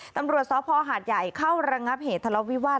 ตำรวจสพหาดใหญ่เข้าระงับเหตุทะเลาะวิวาส